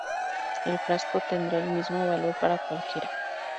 El frasco tendrá el mismo valor para cualquiera.